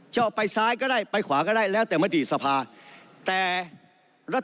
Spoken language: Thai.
จะเอาไปซ้ายก็ได้ไปขวาก็ได้แล้วแต่มติสภาพุทธนักศรรณ